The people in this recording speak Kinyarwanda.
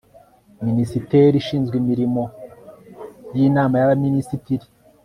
minisiteri ishinzwe imirimo y'inama y'abaminisitiri